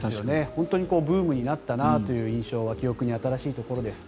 本当にブームになったなという印象は記憶に新しいところです。